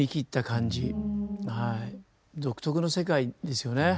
独特の世界ですよね。